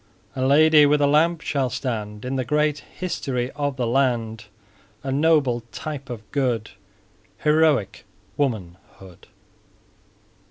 A Lady with a Lamp shall stand In the great history of the land, A noble type of good, Heroic womanhood.